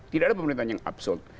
tidak ada pemerintahan yang absord